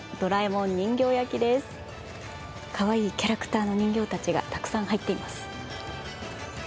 かわいいキャラクターの人形たちがたくさん入っています。